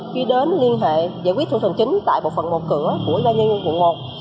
khi đến liên hệ giải quyết thủ tục hành chính tại bộ phận một cửa của gia nhiên quận một